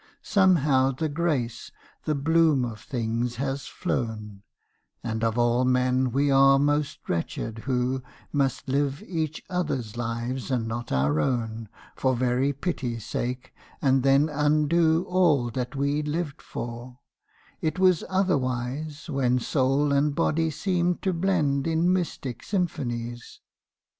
Somehow the grace, the bloom of things has flown, And of all men we are most wretched who Must live each other's lives and not our own For very pity's sake and then undo All that we lived for—it was otherwise When soul and body seemed to blend in mystic symphonies.